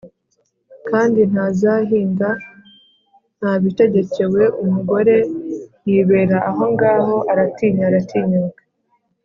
kandi ntazahinga ntabitegekewe." Umugore yibera ahongaho, aratinya, aratinyuka